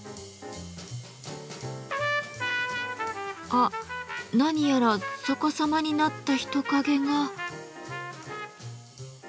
あっ何やら逆さまになった人影が。